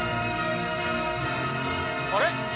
あれ？